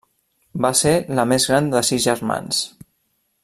Va ser la més gran de sis germans.